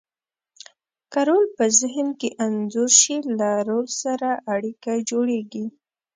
که رول په ذهن کې انځور شي، له رول سره اړیکه جوړیږي.